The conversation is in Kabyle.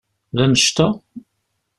D annect-a?